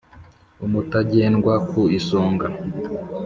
umutagendwa ku isonga